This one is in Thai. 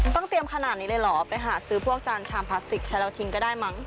ต้องเตรียมขนาดนี้เลยเหรอไปหาซื้อพวกจานชามพลาสติกใช้แล้วทิ้งก็ได้มั้ง